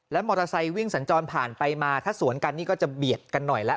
มอเตอร์ไซค์วิ่งสัญจรผ่านไปมาถ้าสวนกันนี่ก็จะเบียดกันหน่อยแล้ว